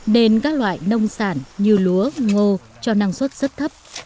nên các loại nông sản như lúa ngô cho năng suất rất thấp